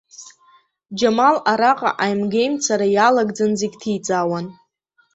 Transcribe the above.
Џьамал араҟа аимгеимцара иалагӡан зегь ҭиҵаауан.